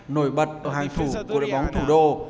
nổi bật ở hàng thủ của đội bóng thủ đô